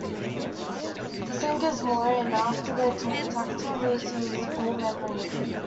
This angers Mori, and after their talk Tacto loses all memory of him.